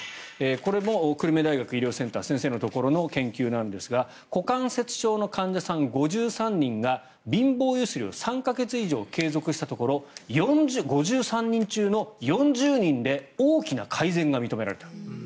これも久留米大学医療センター先生のところの研究なんですが股関節症の患者さん５３人が貧乏揺すりを３か月以上継続したところ５３人中４０人で大きな改善が認められた。